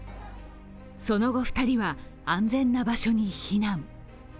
その後、２人は安全な場所に避難。